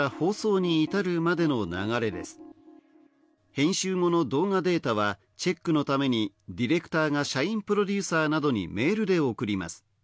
編集後の動画データはチェックのためにディレクターが社員プロデューサーなどにメールで送ります